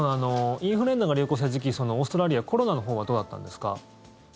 インフルエンザが流行した時期オーストラリア、コロナのほうはどうだったんですか？